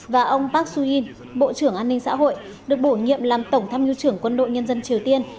và ông park su in bộ trưởng an ninh xã hội được bổ nhiệm làm tổng tham mưu trưởng quân đội nhân dân triều tiên